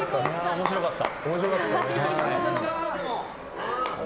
面白かった。